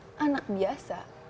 mereka anak biasa